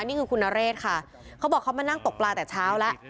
นี่คือคุณนเรศค่ะเขาบอกเขามานั่งตกปลาแต่เช้าแล้ว